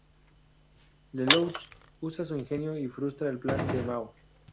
Lelouch usa su ingenio y frustra el plan de mao.